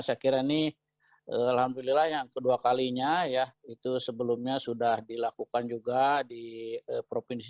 saya kira ini alhamdulillah yang kedua kalinya ya itu sebelumnya sudah dilakukan juga di provinsi